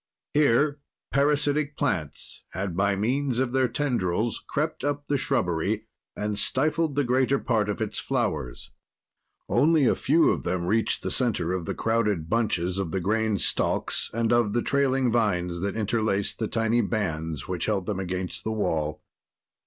Here parasitic plants had, by means of their tendrils, crept up the shrubbery and stifled the greater part of its flowers. Only a few of them reached the center of the crowded bunches of the grain stalks and of the trailing vines that interlaced the tiny bands which held them against the wall.